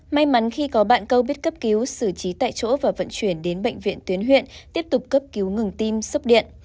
may mắn khi có bạn câu biết cấp cứu xử trí tại chỗ và vận chuyển đến bệnh viện tuyến huyện tiếp tục cấp cứu ngừng tim sốc điện